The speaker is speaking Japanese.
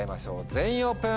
全員オープン！